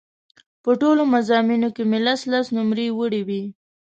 په ټولو مضامینو کې مې لس لس نومرې وړې وې.